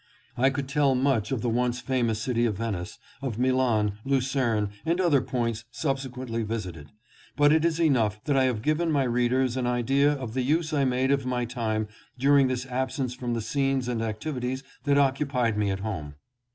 I could tell much of the once famous city of Ven ice, of Milan, Lucerne, and other points subsequently visited ; but it is enough that I have given my readers an idea of the use I made of my time during this absence from the scenes and activities that occupied me at home.